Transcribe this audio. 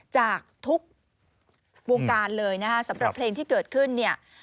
จากทุกวงการเลยนะฮะสำหรับเพลงที่เกิดขึ้นเนี่ย